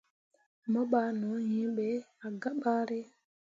Mo ɓah no hĩĩ ɓe ah gah bare.